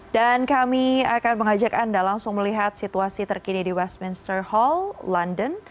dan kami akan mengajak anda langsung melihat situasi terkini di westminster hall london